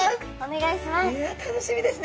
いや楽しみですね。